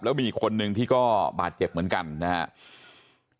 แล้วมีคนหนึ่งที่ก็บาดเจ็บเหมือนกันนะฮะ